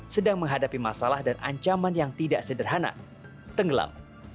sedang menghadapi masalah dan ancaman yang tidak sederhana tenggelam